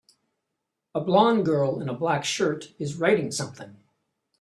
A blond girl in a black shirt is writing something